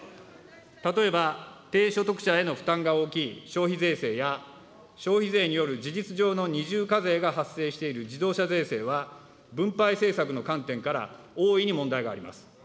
例えば低所得者への負担が大きい消費税制や、消費税による事実上の二重課税が発生している自動車税制は、分配政策の観点から大いに問題があります。